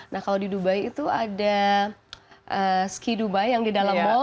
nah kalau di dubai itu ada ski dubai yang di dalam mall